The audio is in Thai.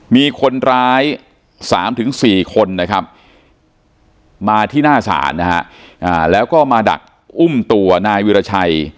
มีคนร้าย๓๔คนนะครับมาที่หน้าศาลนะฮะแล้วก็มาดักอุ้มตัวนายวิราชัย